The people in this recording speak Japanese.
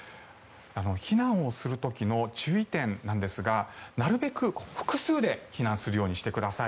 避難をする時の注意点なんですがなるべく複数で避難するようにしてください。